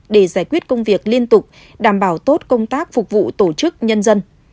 để giải quyết công việc liên tục đảm bảo tốt công tác phục vụ tổ chức nhân dân